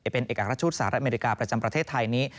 เป็นเอกราชทูตสหรัฐอเมริกาประจำประเทศไทยนี้